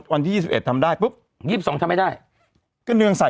วันที่ยี่สิบเอ็ดทำได้ปุ๊บยี่สิบสองทำไมได้ก็เนื่องใส่